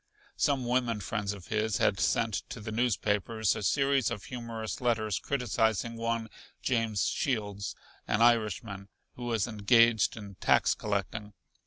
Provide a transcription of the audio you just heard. Some women friends of his had sent to the newspapers a series of humorous letters criticizing one James Shields, an Irishman, who was engaged in tax collecting.